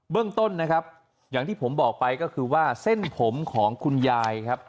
เรื่องต้นนะครับอย่างที่ผมบอกไปก็คือว่าเส้นผมของคุณยายครับ